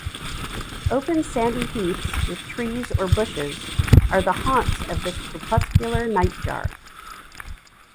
Open sandy heaths with trees or bushes are the haunts of this crepuscular nightjar.